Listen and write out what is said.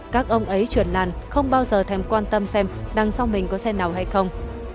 các ông ấy truyền làn không bao giờ thèm quan tâm xem đằng sau mình có xe nào hay không